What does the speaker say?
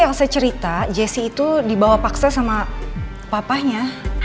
katanya sih elsa cerita jessy itu dibawa paksa sama papahnya